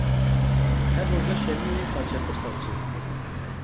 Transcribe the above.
Her roja şemiyê xaçepirsan çêdike.